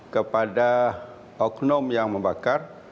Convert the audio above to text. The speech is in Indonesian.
kepada oknum yang membakar